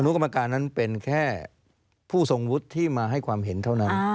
กรรมการนั้นเป็นแค่ผู้ทรงวุฒิที่มาให้ความเห็นเท่านั้น